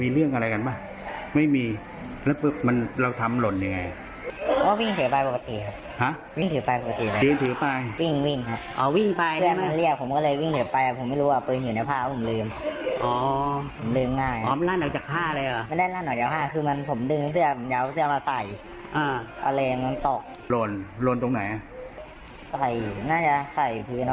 เดี๋ยวเอาเสื้อมาใส่อาเลมันตกโรนโรนตรงไหนใส่น่าจะใส่พื้น